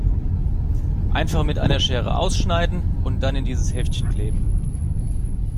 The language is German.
Einfach mit einer Schere ausschneiden und dann in dieses Heftchen kleben.